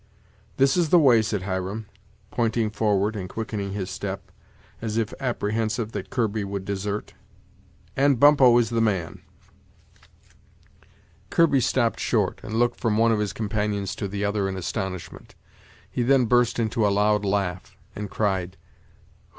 "This is the way," said Hiram, pointing forward and quickening his step, as if apprehensive that Kirby would desert, "and Bumppo is the man." Kirby stopped short, and looked from one of his companions to the other in astonishment. He then burst into a loud laugh, and cried: "Who?